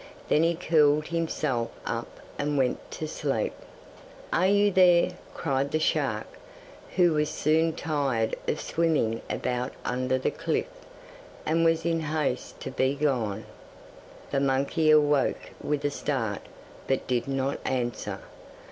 Then he curled himself up and went to sleep. 'Are you there?' cried the shark, who was soon tired of swimming about under the cliff, and was in haste to be gone. The monkey awoke with a start, but did not answer.